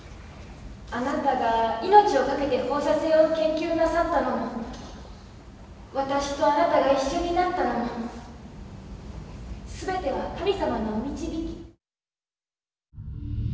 あなたが命をかけて放射線を研究なさったのも私とあなたが一緒になったのも全ては神様のお導き。